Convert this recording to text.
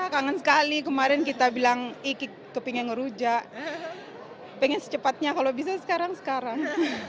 kangen sekali kemarin kita bilang ingin ngeruja ingin secepatnya kalau bisa sekarang sekarang